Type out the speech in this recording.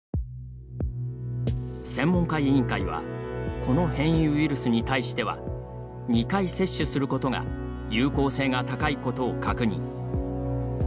専門家委員会はこの変異ウイルスに対しては２回接種することが有効性が高いことを確認。